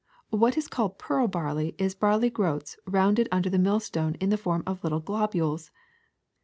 What is called pearl barley is barley groats rounded under the millstone in the form of little globules.